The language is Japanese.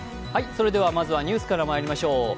まずはニュースからまいりましょう。